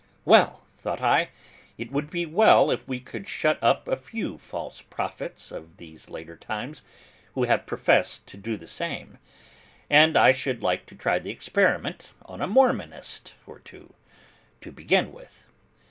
'Well!' thought I, 'it would be well if we could shut up a few false prophets of these later times, who have professed to do the same; and I should like to try the experiment on a Mormonist or two to begin with.